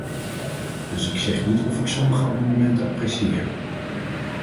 Dus ik zeg niet of ik sommige amendementen apprecieer.